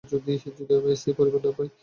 যদি আমি স্থায়ী পরিবার না পাই?